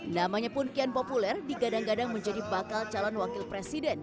namanya pun kian populer digadang gadang menjadi bakal calon wakil presiden